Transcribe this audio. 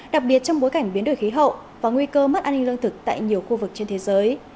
đặc biệt trong bối cảnh biến đổi khí hậu và nguy cơ mất an ninh lương thực tại nhiều khu vực trên thế giới